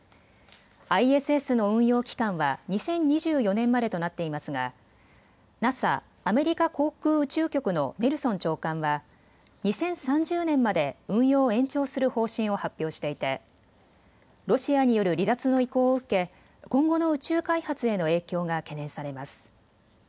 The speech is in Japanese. ＩＳＳの運用期間は２０２４年までとなっていますがＮＡＳＡ・アメリカ航空宇宙局のネルソン長官は２０３０年まで運用を延長する方針を発表していてロシアによる離脱の意向を受け今後の宇宙開発への影響が懸念されます。